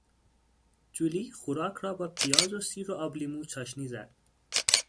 جولی خوراک را با پیاز و سیر و آبلیمو چاشنی زد.